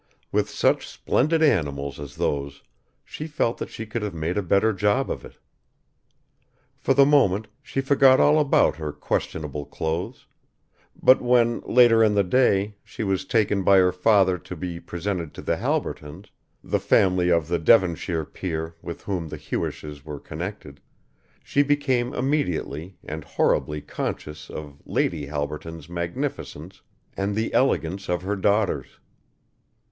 With such splendid animals as those she felt that she could have made a better job of it. For the moment she forgot all about her questionable clothes; but when, later in the day, she was taken by her father to be presented to the Halbertons, the family of the Devonshire peer with whom the Hewishes were connected, she became immediately and horribly conscious of Lady Halberton's magnificence and the elegance of her daughters.